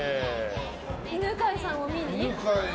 犬飼さんを見に？